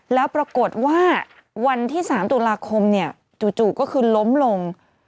แล้วปรากฏว่าวันที่๓ตุลาคมเนี่ยจู่ก็คือล้มลง